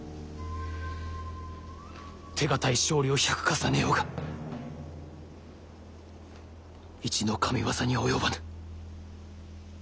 手堅い勝利を１００重ねようが一の神業には及ばぬ。